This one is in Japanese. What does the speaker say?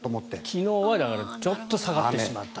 昨日はちょっと下がってしまった。